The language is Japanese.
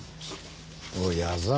おい矢沢。